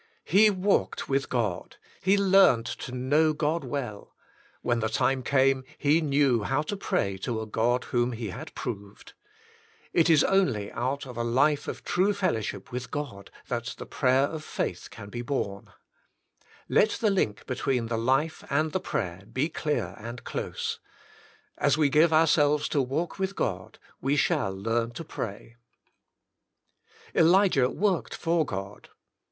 He walked with God, he learned to know God well ; when the time came, he knew how to pray to a God whom he had proved. It.ia_Qnly out of a lif a .of .true fellowship with God that the prayer of faith can be born. Let the link between the life and the prayer be clear and close. As we give ourselves to walk with God, we shall learn to pray. Elijah Worked for God.